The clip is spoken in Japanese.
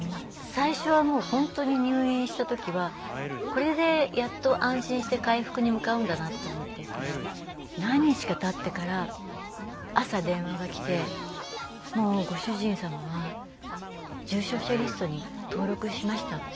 最初は本当に入院した時はこれでやっと安心して回復に向かうんだなと思っていたら何日か経ってから朝電話が来て「もうご主人様は重症者リストに登録しました」って。